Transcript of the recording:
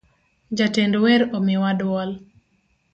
Jatend wer omiwa duol